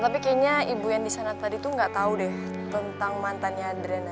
tapi kayaknya ibu yang disana tadi tuh gak tau deh tentang mantannya adriana